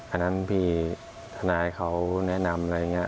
อันนั้นพี่ทนายเขาแนะนำอะไรอย่างนี้